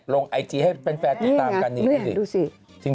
ไอจีให้แฟนติดตามกันนี่ดูสิ